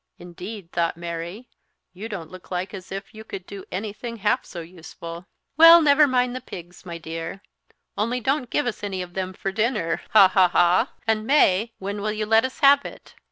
"Indeed," thought Mary, "you don't look like as if you could do anything half so useful." "Well, never mind the pigs, my dear; only don't give us any of them for dinner ha, ha, ha I and, May, when will you let us have it?"